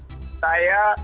saya harus ke morotai